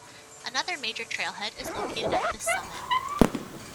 Another major trailhead is located at this summit.